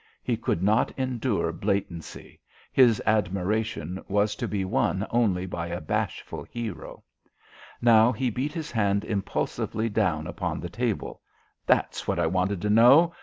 He could not endure blatancy; his admiration was to be won only by a bashful hero. Now he beat his hand impulsively down upon the table. "That's what I wanted to know.